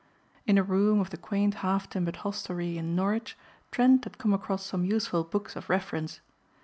In a room of the quaint half timbered hostelry in Norwich Trent had come across some useful books of reference.